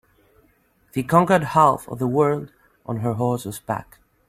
The conquered half of the world on her horse's back.